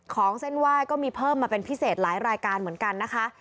เส้นไหว้ก็มีเพิ่มมาเป็นพิเศษหลายรายการเหมือนกันนะคะ